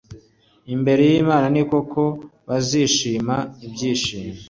Imbere y imana ni koko bazishima ibyishimo